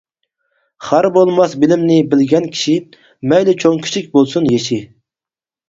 خار بولماس بىلىمنى بىلگەن كىشى، مەيلى چوڭ-كىچىك بولسۇن يېشى.